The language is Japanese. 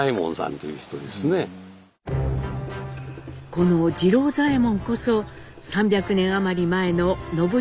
この「次郎左衛門」こそ３００年余り前の宣之の先祖です。